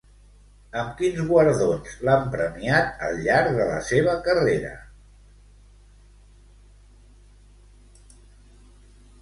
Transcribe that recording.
Amb quins guardons l'han premiat al llarg de la seva carrera?